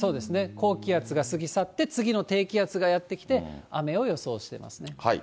高気圧が過ぎ去って、次の低気圧がやって来て、雨を予想してますね。